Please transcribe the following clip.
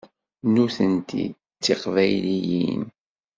Nutenti d tiqbayliyin.